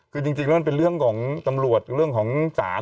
คือจริงแล้วมันเป็นเรื่องของตำรวจเรื่องของศาล